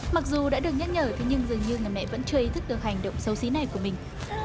mặc dù đã được nhắc nhở thế nhưng dường như người mẹ vẫn chưa ý thức được hành động xấu xí này của mình